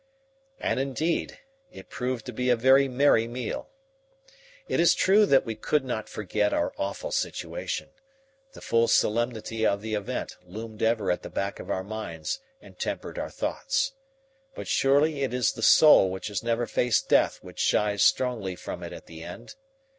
And, indeed, it proved to be a very merry meal. It is true that we could not forget our awful situation. The full solemnity of the event loomed ever at the back of our minds and tempered our thoughts. But surely it is the soul which has never faced death which shies strongly from it at the end.